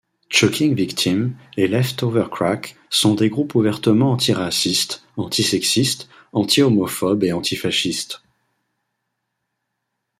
Chocking Victim et Leftöver Crack sont des groupes ouvertement anti-racistes, anti-sexistes, anti-homophobes et anti-fascistes.